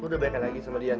lo udah balik lagi sama dian